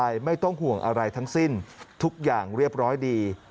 อย่างเรียบร้อยดี